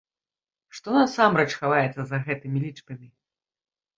Што насамрэч хаваецца за гэтымі лічбамі?